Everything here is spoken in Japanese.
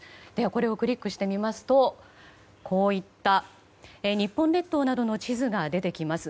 これをクリックしてみますとこういった日本列島などの地図が出てきます。